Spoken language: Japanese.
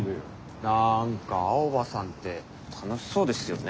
なんか青葉さんって楽しそうですよね。